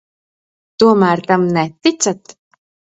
Tomēr tam neticat?